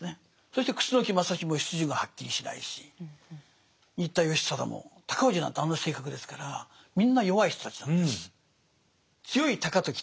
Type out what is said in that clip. そして楠木正成も出自がはっきりしないし新田義貞も高氏なんてあんな性格ですからみんな弱い人たちなんです。